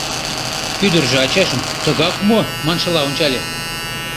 — ӱдыржӧ ачажым «Тыгак мо?» маншыла ончале.